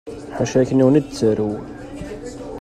Ḥaca akniwen i d-tettarew.